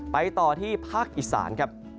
ไปต่อที่ภาคอิสาน